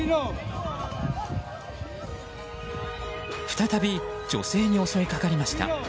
再び女性に襲いかかりました。